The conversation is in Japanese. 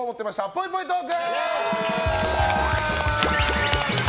ぽいぽいトーク！